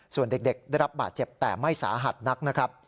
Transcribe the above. ส่วนเด็กได้รับบาดเจ็บแต่ไม่สาหัสนักนะครับ